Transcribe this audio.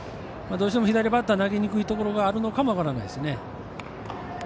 どうしても左バッター投げにくいところがあるかも分からないですね。